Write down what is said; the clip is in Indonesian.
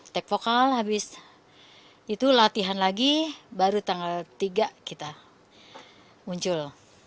take vokal habis itu latihan lagi baru tanggal tiga kita muncul